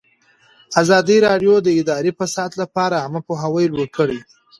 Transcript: ازادي راډیو د اداري فساد لپاره عامه پوهاوي لوړ کړی.